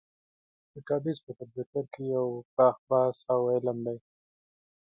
ډیټابیس په کمپیوټر کې یو پراخ بحث او علم دی.